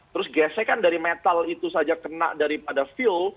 terus gesekan dari metal itu saja kena daripada fuel